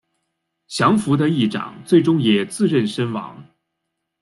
降伏的义长最终也自刃身亡。